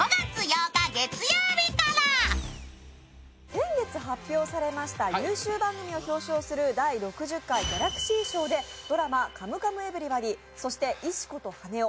先月発表されました優秀番組を表彰する第６０回ギャラクシー賞でドラマ「カムカムエヴリバディ」そして「石子と羽男」